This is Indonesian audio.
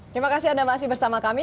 terima kasih anda masih bersama kami